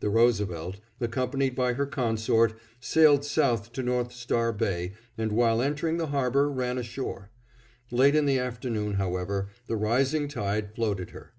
The Roosevelt, accompanied by her consort, sailed south to North Star Bay and while entering the harbor ran ashore. Late in the afternoon, however, the rising tide floated her.